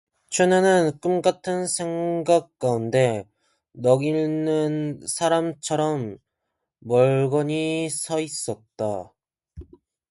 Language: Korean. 춘우는 꿈 같은 생각 가운데 넋 잃은 사람처럼 멀거니 서 있었다.